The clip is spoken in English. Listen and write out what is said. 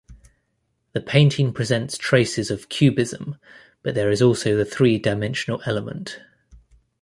The painting presents traces of cubism, but there is also the three-dimensional element.